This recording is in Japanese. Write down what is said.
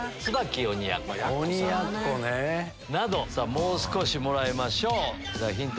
もう少しもらいましょうヒント